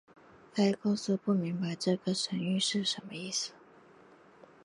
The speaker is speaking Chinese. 埃勾斯不明白这个神谕是什么意思。